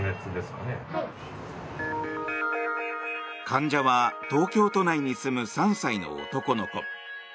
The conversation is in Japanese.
患者は東京都内に住む３歳の男の子。